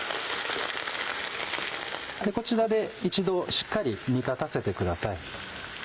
こちらで一度しっかり煮立たせてください。